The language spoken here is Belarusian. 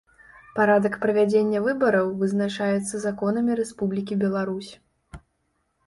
Парадак правядзення выбараў вызначаецца законамі Рэспублікі Беларусь.